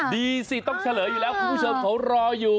ดีสิต้องเฉลยอยู่แล้วคุณผู้ชมเขารออยู่